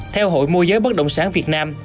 theo hội môi giới bất động sản việt nam